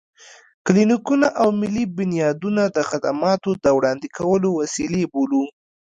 کلينيکونه او ملي بنيادونه د خدماتو د وړاندې کولو وسيلې بولو.